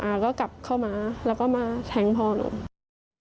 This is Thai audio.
ก็กลับเข้ามาแล้วก็มาแทงพ่อหนู